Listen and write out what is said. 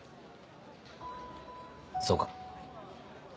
そうか。